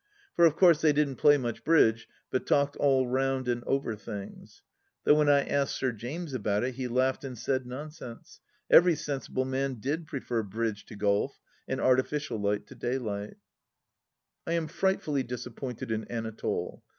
For of course they didn't play much bridge, but talked all roimd and over things. Though when I asked Sir James about it he laughed and said nonsense, every sensible man did prefer bridge to golf, and artificial light to daylight 1 I am frightfully disappointed in Anatole.